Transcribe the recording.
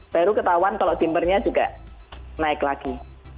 baru ketahuan kalau dimpernya juga naik lagi